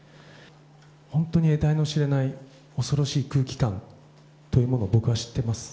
本当に得体のしれない、恐ろしい空気感というものを僕は知ってます。